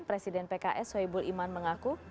presiden pks soebul iman mengaku